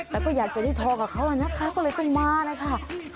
แต่ก็อยากจะได้ทองกับเขานะคะก็เลยต้องมาแล้วค่ะ